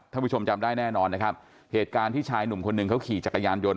ผู้ชมจำได้แน่นอนนะครับเหตุการณ์ที่ชายหนุ่มคนหนึ่งเขาขี่จักรยานยนต